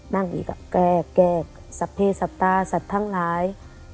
นั่งอยู่แบบแกรกศพพิษศัตริย์ศัตริย์ทั้งหลาย